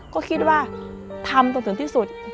ก็คิดว่าทำตรงสุดที่สุด